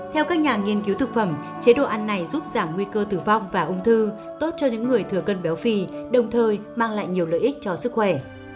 theo các nhà nghiên cứu thực phẩm chế độ ăn này giúp giảm nguy cơ tử vong và ung thư tốt cho những người thừa cân béo phì đồng thời mang lại nhiều lợi ích cho sức khỏe